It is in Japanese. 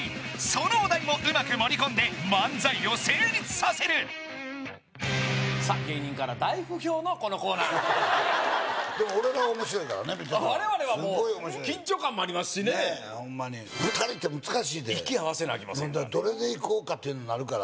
そのお題もうまく盛り込んでさあ芸人から大不評のこのコーナーでも俺らは面白いからね見てたら我々はもう緊張感もありますしねねえホンマに２人って難しいで息合わせなあきませんからねどれでいこうか？